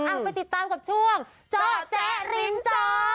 ไปติดตามกับช่วงเจาะแจ๊ริมจอ